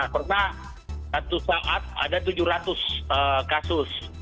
pernah suatu saat ada tujuh ratus kasus